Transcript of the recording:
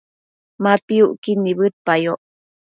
Ma piucquid nibëdeyoc